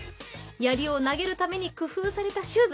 やりを投げるために工夫されたシューズ。